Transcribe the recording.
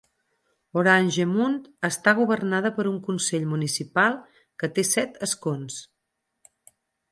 Oranjemund està governada per un consell municipal que té set escons.